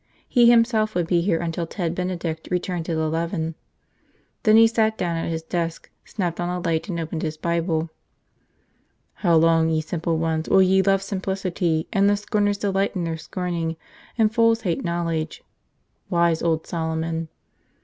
He himself would be here until Ted Benedict returned at eleven. Then he sat down at his desk, snapped on a light, and opened his Bible. "How long, ye simple ones, will ye love simplicity, and the scorners delight in their scorning, and fools hate knowledge?" Wise old Solomon!